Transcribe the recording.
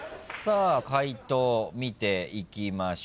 解答見ていきましょう。